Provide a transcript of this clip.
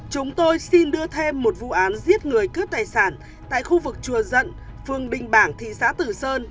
chúng tôi xin đưa thêm một vụ án giết người cướp tài sản tại khu vực chùa dận phường đình bảng thị xã tử sơn